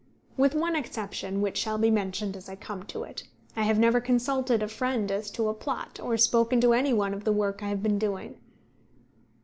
With one exception, which shall be mentioned as I come to it, I have never consulted a friend as to a plot, or spoken to any one of the work I have been doing.